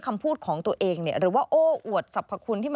ยอมรับว่าการตรวจสอบเพียงเลขอยไม่สามารถทราบได้ว่าเป็นผลิตภัณฑ์ปลอม